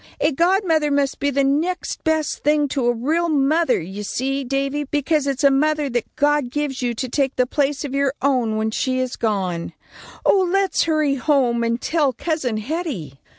A godmother must be the next best thing to a real mother, you see, Davy, because it's a mother that God gives you to take the place of your own, when she is gone. Oh, let's hurry home and tell Cousin Hetty."